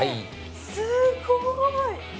すごい。